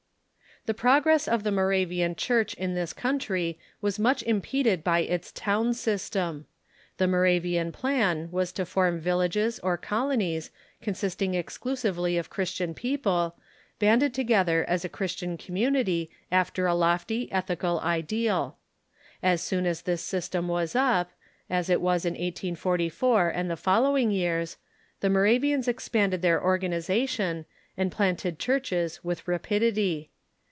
The progress of the Moravian Church in this country was much impeded by its town system. The Moravian plan was to form villages, or colonies, consisting exclusively of Progress ..°/ n •• Christian people, banded together as a Christian com munity after a lofty ethical ideal. As soon as this system was up, as it was in 1844 and the following years, the Moravians expanded their organization, and planted churches with rapid ity.